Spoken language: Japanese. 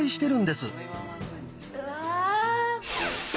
うわ。